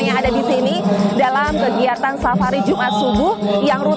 masya allah saat ini saya sudah melakukan solat subuh berjamaah